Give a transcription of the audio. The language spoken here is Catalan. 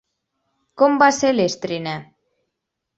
Com va ser l'estrena?